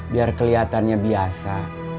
biar kelihatannya biasa